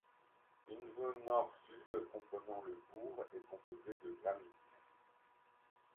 Une zone nord-sud comprenant le bourg est composée de granit.